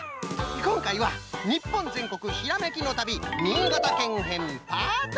こんかいは「日本全国ひらめきの旅新潟県編パート２」。